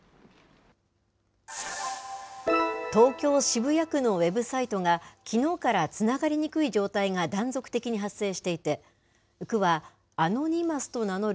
東京・渋谷区のウェブサイトがきのうからつながりにくい状態が断続的に発生していて、区はアノニマスと名乗る